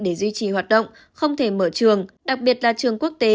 để duy trì hoạt động không thể mở trường đặc biệt là trường quốc tế